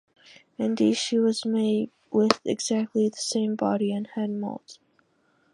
Indeed, she was made with exactly the same body and head molds.